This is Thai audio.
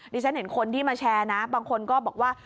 ฉันเห็นคนที่มาแชร์นะบางคนก็บอกว่า